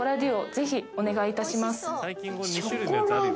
ぜひお願いいたします。